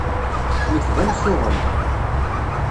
Nekk d amsuɣel.